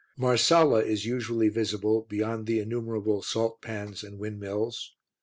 Marsala is usually visible beyond the innumerable salt pans and windmills.